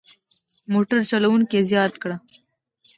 موټر چلوونکي زیاته کړه.